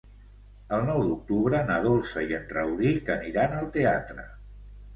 El nou d'octubre na Dolça i en Rauric aniran al teatre.